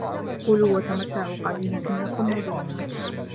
كُلوا وَتَمَتَّعوا قَليلًا إِنَّكُم مُجرِمونَ